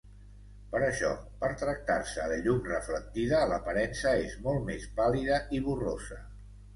Per això, per tractar-se de llum reflectida, l’aparença és molt més pàl·lida i borrosa.